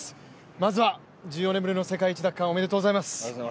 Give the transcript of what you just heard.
まずは、１４年ぶりの世界一奪還おめでとうございます！